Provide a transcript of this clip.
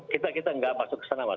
kita tidak masuk ke sana